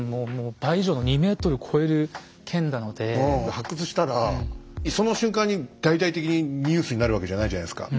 発掘したらその瞬間に大々的にニュースになるわけじゃないじゃないですか。